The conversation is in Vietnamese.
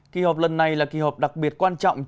kỳ họp lần này là kỳ họp đặc biệt quan trọng